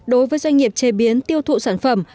đối với doanh nghiệp chế biến tiêu thụ sản phẩm